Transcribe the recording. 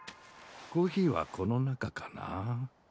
コーヒーはこの中かな？